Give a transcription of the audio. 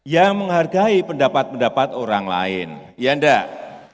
yang menghargai pendapat pendapat orang lain ya enggak